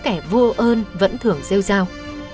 kẻ vô ơn vẫn thưởng rêu rao